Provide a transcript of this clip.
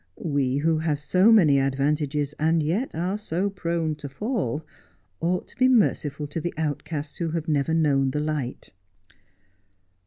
We, who have so many advantages and yet are so prone to fall, ought to be merciful to the outcasts who have never known the light.'